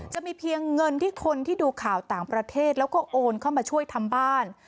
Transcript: จะมีเพียงเงินที่คนที่ดูข่าวต่างประเทศแล้วก็โอนเข้ามาช่วยทำบ้าน